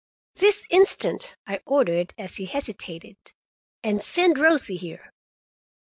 "This instant!" I ordered, as he hesitated. "And send Rosie here."